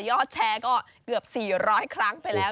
แชร์ก็เกือบ๔๐๐ครั้งไปแล้ว